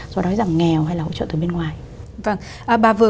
trợ từ bên ngoài vâng bà vừa